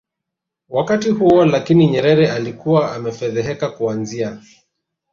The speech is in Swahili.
wakati huo Lakini Nyerere alikuwa amefedheheka Kuanzia